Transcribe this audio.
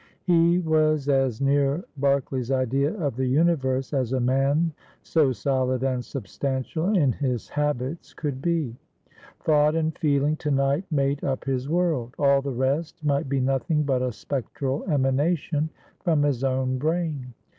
He was as near Berkeley's idea of the universe as a man so solid and substantial in his habits could be. Thought and feeling to night made up his world ; all the rest might be nothing but a spectral emanation from his own brain.